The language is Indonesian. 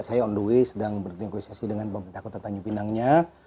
saya on the way sedang bernegosiasi dengan pemerintah kota tanjung pinangnya